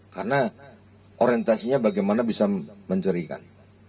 karena orientasinya bagaimana bisa mencurigakan